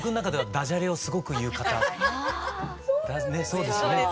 そうですよね。